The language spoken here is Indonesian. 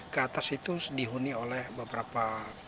ke atas itu dihuni oleh beberapa